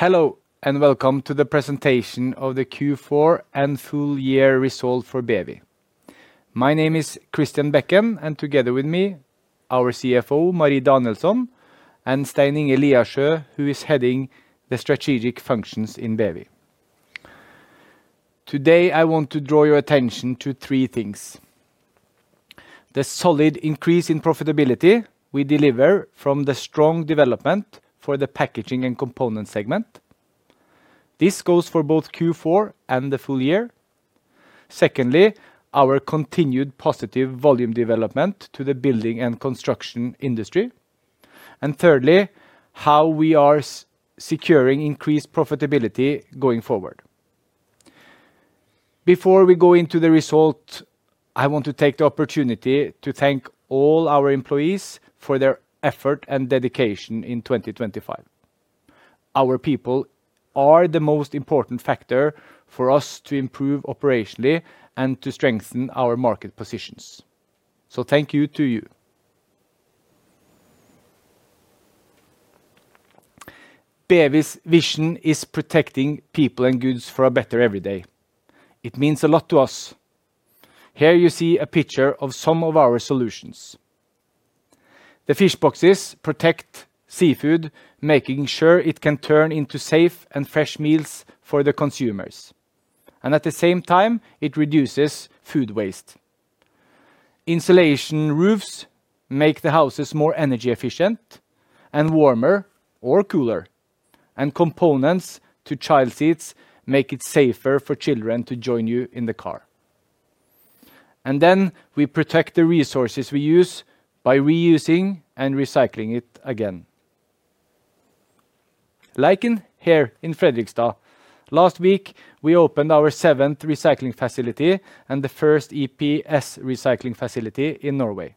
Hello, and welcome to the presentation of the Q4 and full year result for BEWI. My name is Christian Bekken, and together with me, our CFO, Marie Danielsson, and Stein Inge Liasjø, who is heading the strategic functions in BEWI. Today, I want to draw your attention to three things: the solid increase in profitability we deliver from the strong development for the packaging and component segment. This goes for both Q4 and the full year. Secondly, our continued positive volume development to the building and construction industry. And thirdly, how we are securing increased profitability going forward. Before we go into the result, I want to take the opportunity to thank all our employees for their effort and dedication in 2025. Our people are the most important factor for us to improve operationally and to strengthen our market positions. So thank you to you. BEWI's vision is protecting people and goods for a better everyday. It means a lot to us. Here you see a picture of some of our solutions. The fish boxes protect seafood, making sure it can turn into safe and fresh meals for the consumers, and at the same time, it reduces food waste. Insulation roofs make the houses more energy efficient and warmer or cooler, and components to child seats make it safer for children to join you in the car. And then we protect the resources we use by reusing and recycling it again. Like in here in Fredrikstad, last week, we opened our seventh recycling facility and the first EPS recycling facility in Norway.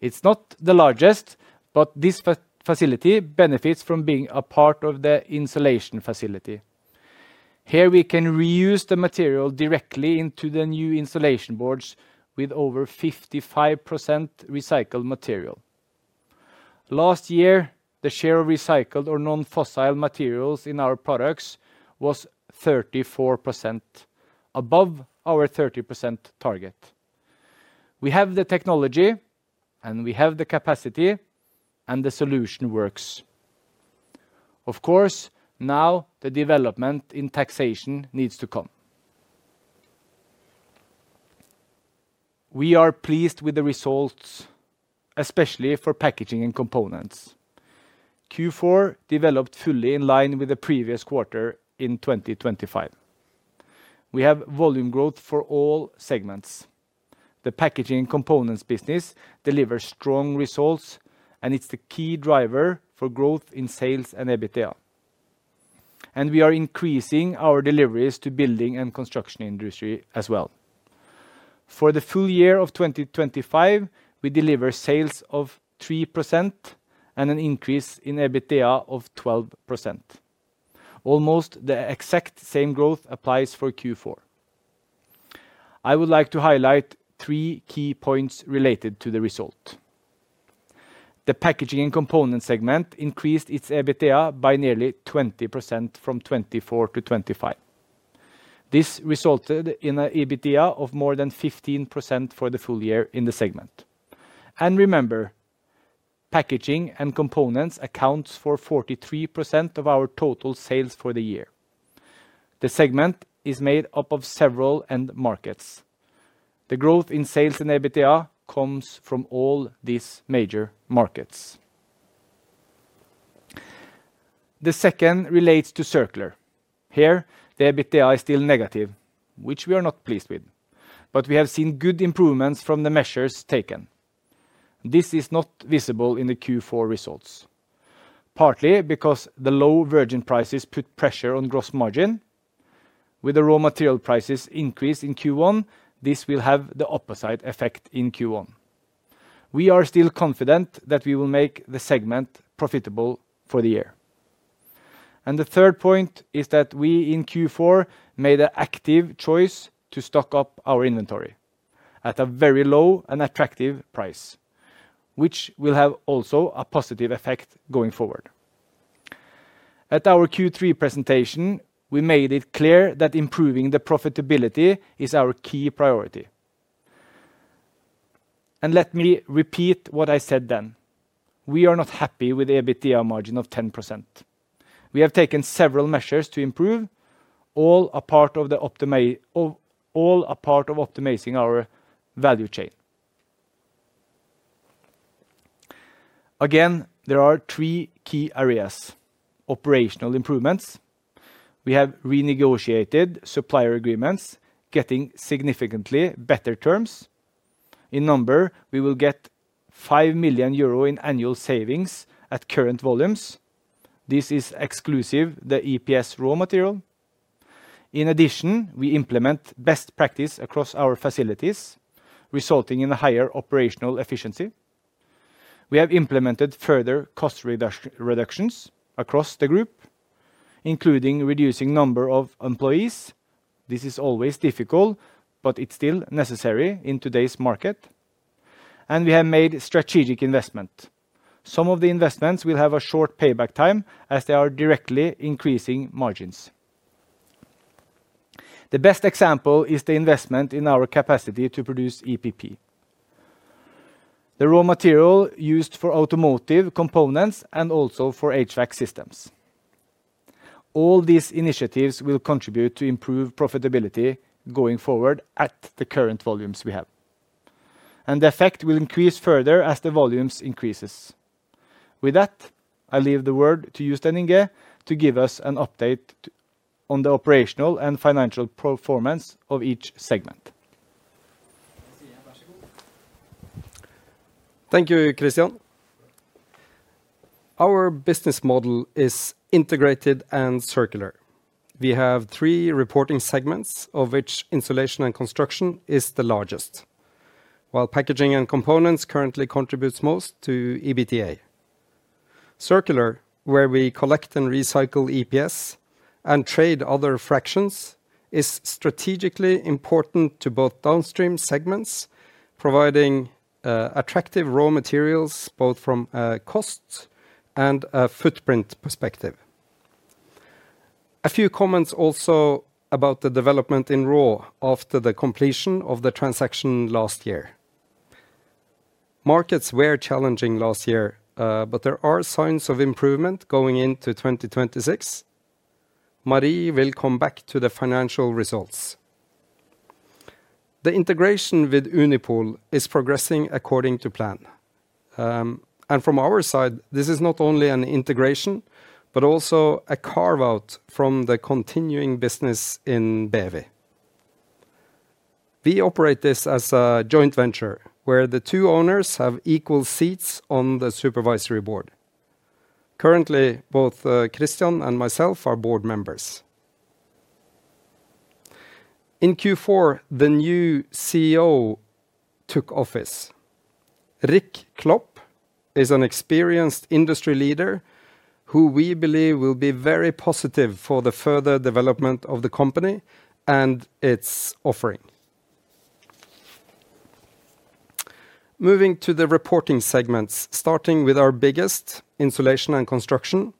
It's not the largest, but this facility benefits from being a part of the insulation facility. Here, we can reuse the material directly into the new insulation boards with over 55% recycled material. Last year, the share of recycled or non-fossil materials in our products was 34%, above our 30% target. We have the technology, and we have the capacity, and the solution works. Of course, now, the development in taxation needs to come. We are pleased with the results, especially for Packaging & Components. Q4 developed fully in line with the previous quarter in 2025. We have volume growth for all segments. The Packaging & Components business delivers strong results, and it's the key driver for growth in sales and EBITDA. And we are increasing our deliveries to building and construction industry as well. For the full year of 2025, we deliver sales of 3% and an increase in EBITDA of 12%. Almost the exact same growth applies for Q4. I would like to highlight three key points related to the result. The Packaging & Components segment increased its EBITDA by nearly 20% from 2024 to 2025. This resulted in an EBITDA of more than 15% for the full year in the segment. And remember, Packaging & Components accounts for 43% of our total sales for the year. The segment is made up of several end markets. The growth in sales and EBITDA comes from all these major markets. The second relates to Circular. Here, the EBITDA is still negative, which we are not pleased with, but we have seen good improvements from the measures taken. This is not visible in the Q4 results, partly because the low virgin prices put pressure on gross margin. With the raw material prices increase in Q1, this will have the opposite effect in Q1. We are still confident that we will make the segment profitable for the year. And the third point is that we, in Q4, made an active choice to stock up our inventory at a very low and attractive price, which will have also a positive effect going forward. At our Q3 presentation, we made it clear that improving the profitability is our key priority. And let me repeat what I said then. We are not happy with the EBITDA margin of 10%. We have taken several measures to improve, all are part of optimizing our value chain. Again, there are three key areas. Operational improvements: we have renegotiated supplier agreements, getting significantly better terms. In number, we will get 5 million euro in annual savings at current volumes. This is exclusive of the EPS raw material. In addition, we implement best practice across our facilities, resulting in a higher operational efficiency. We have implemented further cost reductions across the group, including reducing number of employees. This is always difficult, but it's still necessary in today's market. We have made strategic investment. Some of the investments will have a short payback time, as they are directly increasing margins. The best example is the investment in our capacity to produce EPP, the raw material used for Automotive components and also for HVAC systems. All these initiatives will contribute to improve profitability going forward at the current volumes we have, and the effect will increase further as the volumes increases. With that, I leave the word to Stein Inge to give us an update on the operational and financial performance of each segment. Thank you, Christian. Our business model is integrated and circular. We have three reporting segments, of which Insulation & Construction is the largest, while Packaging & Components currently contributes most to EBITDA. Circular, where we collect and recycle EPS and trade other fractions, is strategically important to both downstream segments, providing attractive raw materials, both from cost and a footprint perspective. A few comments also about the development in raw after the completion of the transaction last year. Markets were challenging last year, but there are signs of improvement going into 2026. Marie will come back to the financial results. The integration with Unipol is progressing according to plan. And from our side, this is not only an integration, but also a carve-out from the continuing business in BEWI. We operate this as a joint venture, where the two owners have equal seats on the supervisory board. Currently, both, Christian and myself are board members. In Q4, the new CEO took office. Rick Klop is an experienced industry leader, who we believe will be very positive for the further development of the company and its offering. Moving to the reporting segments, starting with our biggest, Insulation & Construction.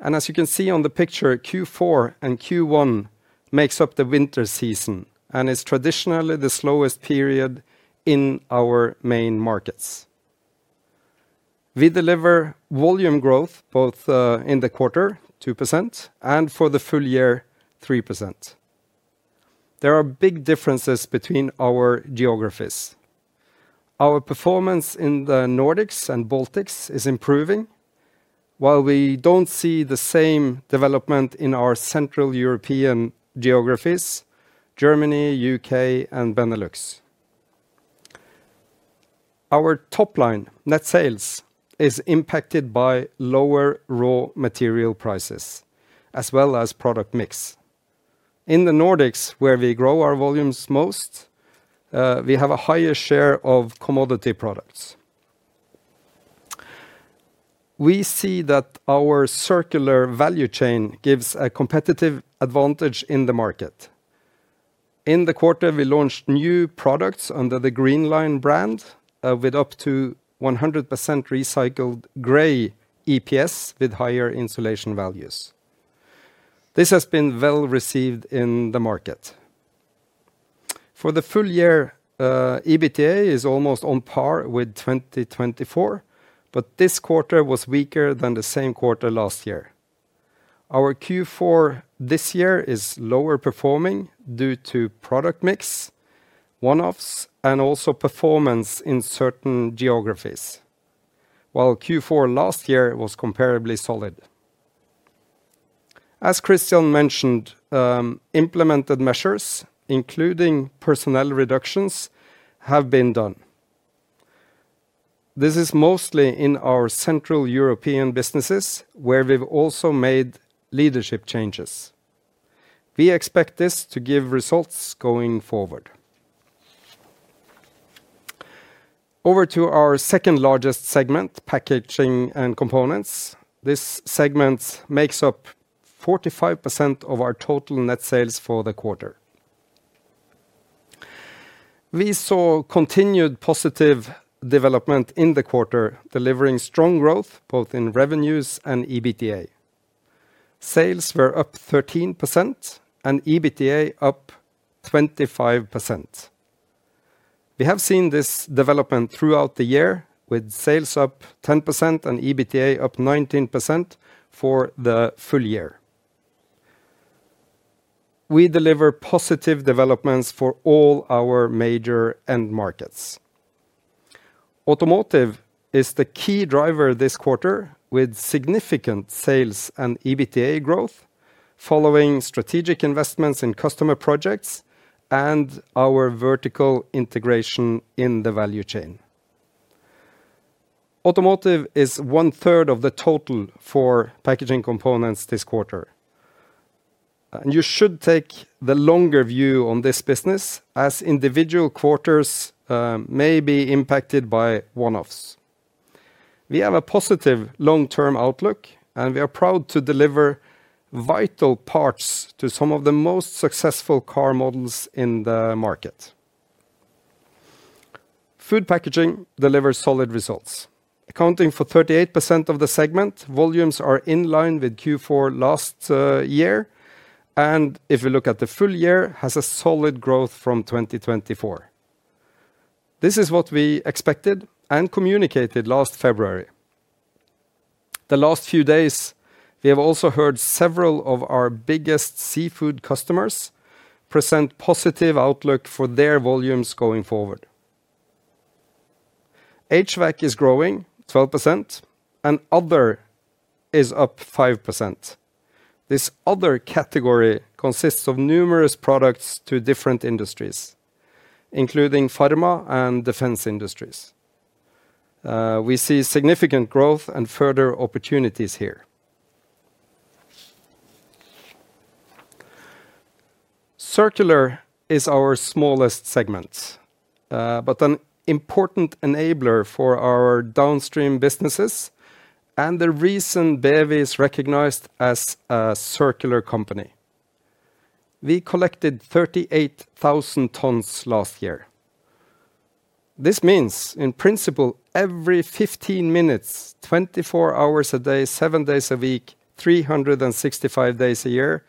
As you can see on the picture, Q4 and Q1 makes up the winter season and is traditionally the slowest period in our main markets. We deliver volume growth, both, in the quarter, 2%, and for the full year, 3%. There are big differences between our geographies. Our performance in the Nordics and Baltics is improving, while we don't see the same development in our central European geographies, Germany, U.K., and Benelux. Our top line, net sales, is impacted by lower raw material prices, as well as product mix. In the Nordics, where we grow our volumes most, we have a higher share of commodity products. We see that our Circular value chain gives a competitive advantage in the market. In the quarter, we launched new products under the GreenLine brand, with up to 100% recycled gray EPS with higher insulation values. This has been well received in the market. For the full year, EBITDA is almost on par with 2024, but this quarter was weaker than the same quarter last year. Our Q4 this year is lower performing due to product mix, one-offs, and also performance in certain geographies, while Q4 last year was comparably solid. As Christian mentioned, implemented measures, including personnel reductions, have been done. This is mostly in our central European businesses, where we've also made leadership changes. We expect this to give results going forward. Over to our second largest segment, Packaging & Components. This segment makes up 45% of our total net sales for the quarter. We saw continued positive development in the quarter, delivering strong growth both in revenues and EBITDA. Sales were up 13% and EBITDA up 25%. We have seen this development throughout the year, with sales up 10% and EBITDA up 19% for the full year. We deliver positive developments for all our major end markets. Automotive is the key driver this quarter, with significant sales and EBITDA growth, following strategic investments in customer projects and our vertical integration in the value chain. Automotive is one-third of the total for packaging components this quarter. You should take the longer view on this business, as individual quarters may be impacted by one-offs. We have a positive long-term outlook, and we are proud to deliver vital parts to some of the most successful car models in the market. Food packaging delivers solid results, accounting for 38% of the segment, volumes are in line with Q4 last year, and if you look at the full year, has a solid growth from 2024. This is what we expected and communicated last February. The last few days, we have also heard several of our biggest seafood customers present positive outlook for their volumes going forward. HVAC is growing 12% and other is up 5%. This other category consists of numerous products to different industries, including pharma and defense industries. We see significant growth and further opportunities here. Circular is our smallest segment, but an important enabler for our downstream businesses and the reason BEWI is recognized as a Circular company. We collected 38,000 tons last year. This means, in principle, every 15 minutes, 24 hours a day, seven days a week, 365 days a year,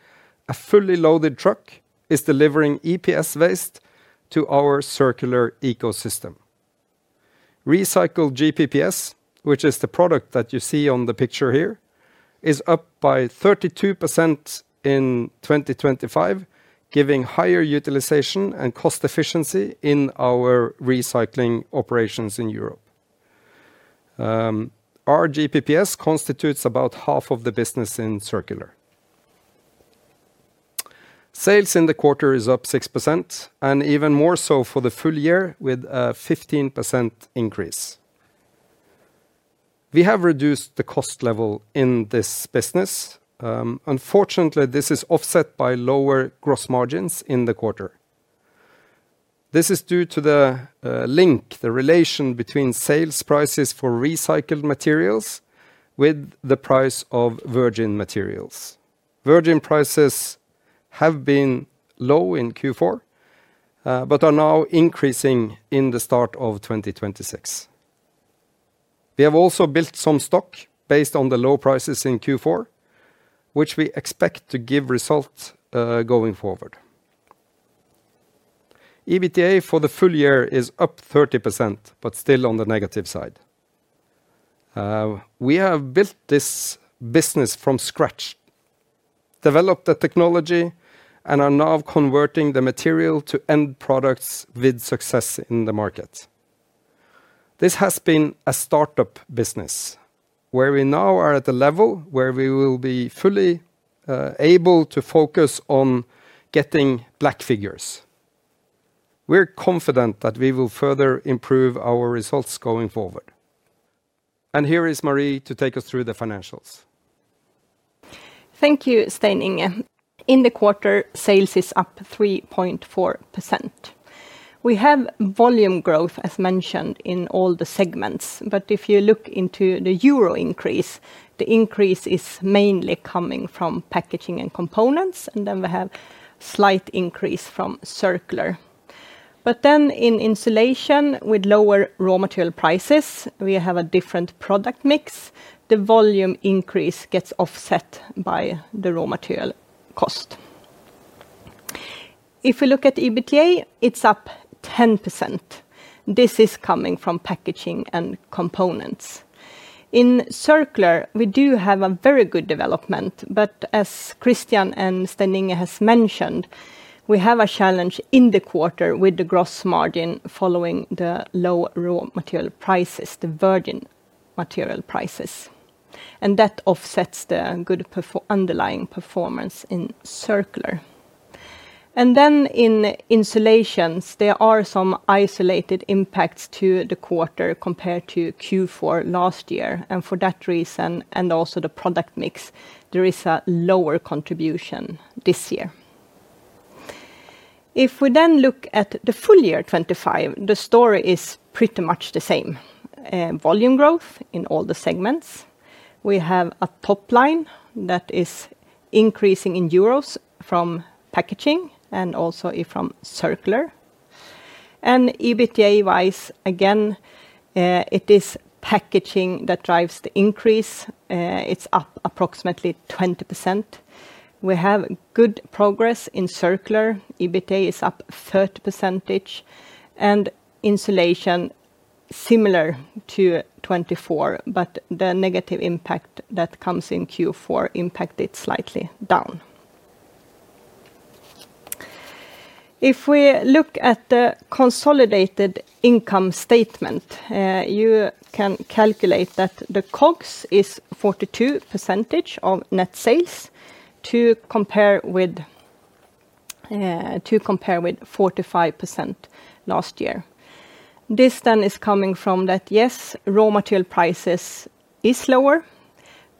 a fully loaded truck is delivering EPS waste to our Circular ecosystem. Recycled GPPS, which is the product that you see on the picture here, is up by 32% in 2025, giving higher utilization and cost efficiency in our recycling operations in Europe. Our GPPS constitutes about half of the business in Circular. Sales in the quarter is up 6%, and even more so for the full year, with a 15% increase. We have reduced the cost level in this business. Unfortunately, this is offset by lower gross margins in the quarter. This is due to the link, the relation between sales prices for recycled materials with the price of virgin materials. Virgin prices have been low in Q4, but are now increasing in the start of 2026. We have also built some stock based on the low prices in Q4, which we expect to give results going forward. EBITDA for the full year is up 30%, but still on the negative side. We have built this business from scratch, developed the technology, and are now converting the material to end products with success in the market. This has been a startup business, where we now are at the level where we will be fully able to focus on getting black figures. We're confident that we will further improve our results going forward. Here is Marie to take us through the financials. Thank you, Stein Inge. In the quarter, sales is up 3.4%. We have volume growth, as mentioned, in all the segments, but if you look into the euro increase, the increase is mainly coming from Packaging & Components, and then we have slight increase from Circular. But then in insulation, with lower raw material prices, we have a different product mix. The volume increase gets offset by the raw material cost. If we look at EBITDA, it's up 10%. This is coming from Packaging & Components. In Circular, we do have a very good development, but as Christian and Stein-Inge has mentioned, we have a challenge in the quarter with the gross margin, following the low raw material prices, the virgin material prices, and that offsets the good underlying performance in Circular. And then in insulation, there are some isolated impacts to the quarter compared to Q4 last year, and for that reason, and also the product mix, there is a lower contribution this year. If we then look at the full year 2025, the story is pretty much the same. Volume growth in all the segments. We have a top line that is increasing in EUR from packaging and also from Circular. And EBITDA-wise, again, it is packaging that drives the increase. It's up approximately 20%. We have good progress in Circular. EBITDA is up 30%, and insulation similar to 2024, but the negative impact that comes in Q4 impact it slightly down. If we look at the consolidated income statement, you can calculate that the COGS is 42% of net sales, to compare with, to compare with 45% last year. This then is coming from that, yes, raw material prices is lower,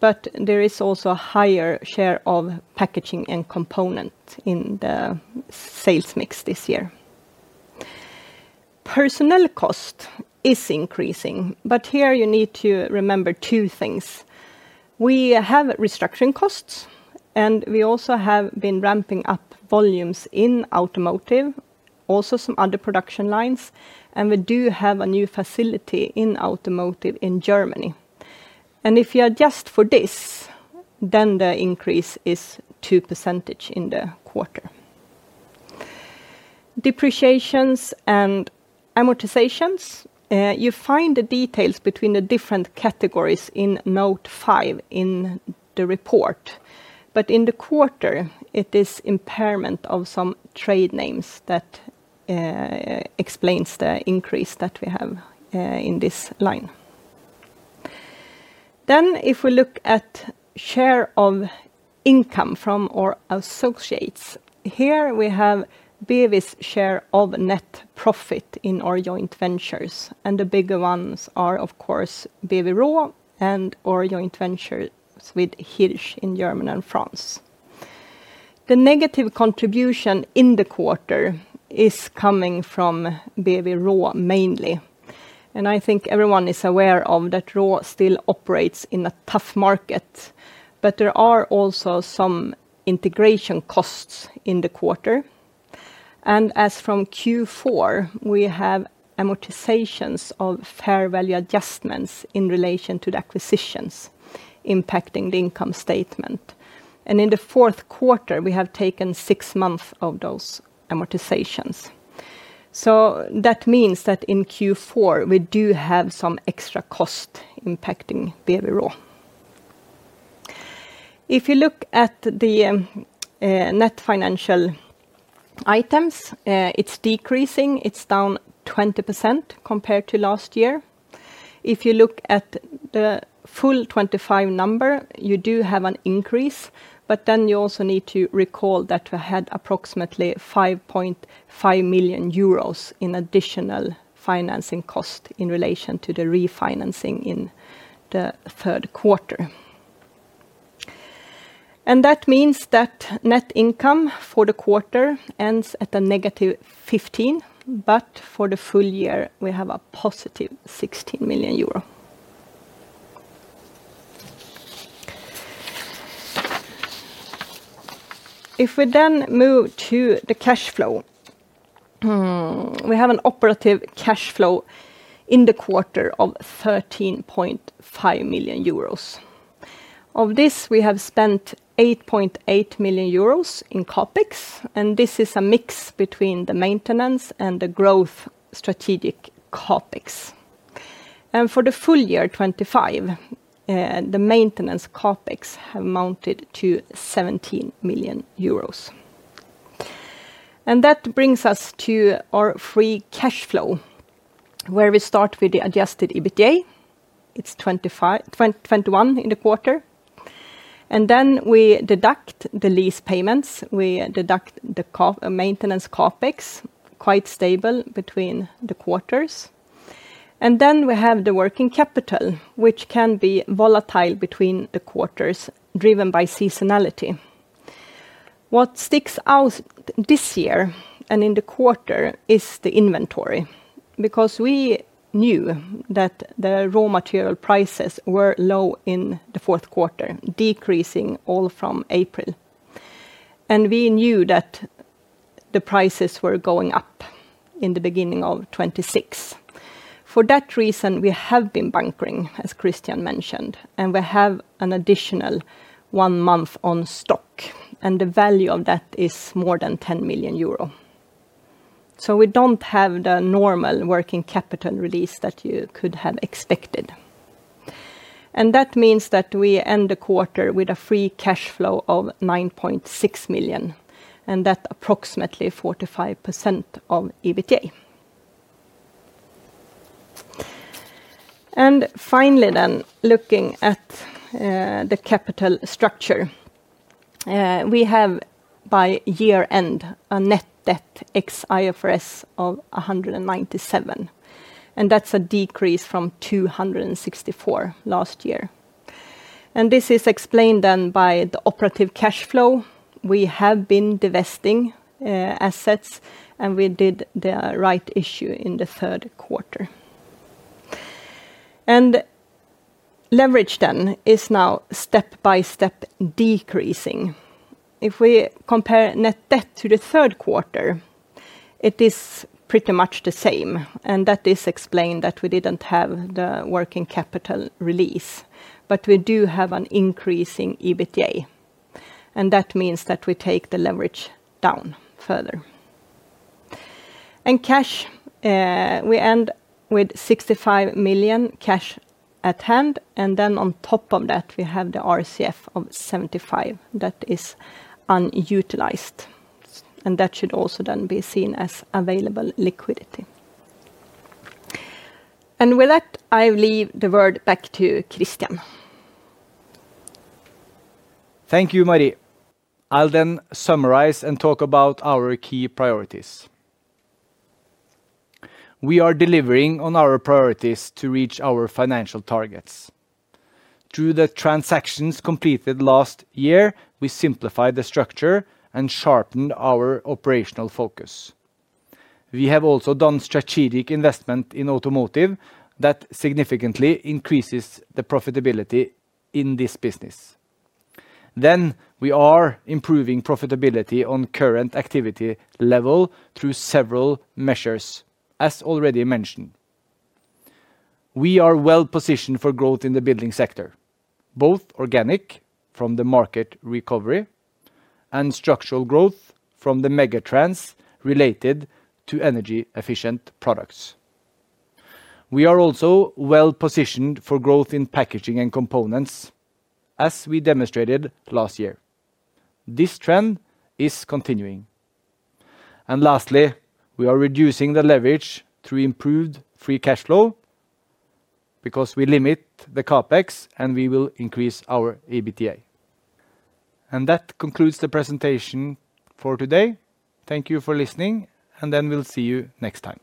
but there is also a higher share of packaging and component in the sales mix this year. Personnel cost is increasing, but here you need to remember two things: we have restructuring costs, and we also have been ramping up volumes in Automotive, also some other production lines, and we do have a new facility in Automotive in Germany. If you adjust for this, then the increase is 2% in the quarter. Depreciations and amortizations, you find the details between the different categories in note five in the report. But in the quarter, it is impairment of some trade names that explains the increase that we have in this line. Then, if we look at share of income from our associates, here we have BEWI's share of net profit in our joint ventures, and the bigger ones are, of course, BEWI RAW and our joint ventures with Hirsch in Germany and France. The negative contribution in the quarter is coming from BEWI RAW, mainly, and I think everyone is aware of that RAW still operates in a tough market, but there are also some integration costs in the quarter. As from Q4, we have amortizations of fair value adjustments in relation to the acquisitions impacting the income statement. In the fourth quarter, we have taken six months of those amortizations. That means that in Q4, we do have some extra cost impacting BEWI RAW. If you look at the net financial items, it's decreasing. It's down 20% compared to last year. If you look at the full 2025 number, you do have an increase, but then you also need to recall that we had approximately 5.5 million euros in additional financing cost in relation to the refinancing in the third quarter. That means that net income for the quarter ends at a -15 million, but for the full year, we have a positive 16 million euro. If we then move to the cash flow, we have an operative cash flow in the quarter of 13.5 million euros. Of this, we have spent 8.8 million euros in CapEx, and this is a mix between the maintenance and the growth strategic CapEx. For the full year 2025, the maintenance CapEx have mounted to 17 million euros. That brings us to our free cash flow, where we start with the adjusted EBITDA. It's 21 in the quarter, and then we deduct the lease payments. We deduct the maintenance CapEx, quite stable between the quarters. Then we have the working capital, which can be volatile between the quarters, driven by seasonality. What sticks out this year and in the quarter is the inventory, because we knew that the raw material prices were low in the fourth quarter, decreasing all from April. And we knew that the prices were going up in the beginning of 2026. For that reason, we have been bunkering, as Christian mentioned, and we have an additional one month on stock, and the value of that is more than 10 million euro. So we don't have the normal working capital release that you could have expected. That means that we end the quarter with a free cash flow of 9.6 million, and that approximately 45% of EBITDA. Finally, then, looking at the capital structure, we have by year-end a net debt ex-IFRS of 197 million, and that's a decrease from 264 million last year. This is explained then by the operating cash flow. We have been divesting assets, and we did the rights issue in the third quarter. Leverage then is now step by step decreasing. If we compare net debt to the third quarter, it is pretty much the same, and that is explained that we didn't have the working capital release, but we do have an increase in EBITDA, and that means that we take the leverage down further. Cash, we end with 65 million cash at hand, and then on top of that, we have the RCF of 75 million that is unutilized, and that should also then be seen as available liquidity. With that, I leave the word back to Christian. Thank you, Marie. I'll then summarize and talk about our key priorities. We are delivering on our priorities to reach our financial targets. Through the transactions completed last year, we simplified the structure and sharpened our operational focus. We have also done strategic investment in Automotive that significantly increases the profitability in this business. Then, we are improving profitability on current activity level through several measures, as already mentioned. We are well positioned for growth in the building sector, both organic from the market recovery and structural growth from the megatrends related to energy-efficient products. We are also well positioned for growth in Packaging & Components, as we demonstrated last year. This trend is continuing. And lastly, we are reducing the leverage through improved free cash flow because we limit the CapEx, and we will increase our EBITDA. And that concludes the presentation for today. Thank you for listening, and then we'll see you next time.